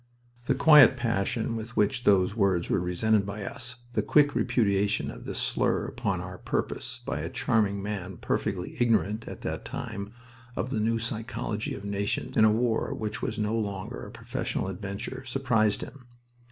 The quiet passion with which those words were resented by us, the quick repudiation of this slur upon our purpose by a charming man perfectly ignorant at that time of the new psychology of nations in a war which was no longer a professional adventure, surprised him.